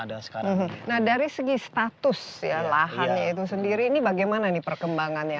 ada sekarang nah dari segi status ya lahannya itu sendiri ini bagaimana nih perkembangannya